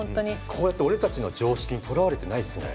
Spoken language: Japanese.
こうやって俺たちの常識にとらわれてないっすね。